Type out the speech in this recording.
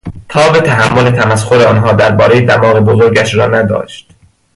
تاب تحمل تمسخر آنها دربارهی دماغ بزرگش را نداشت.